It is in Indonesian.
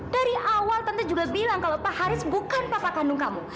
dari awal tentu juga bilang kalau pak haris bukan bapak kandung kamu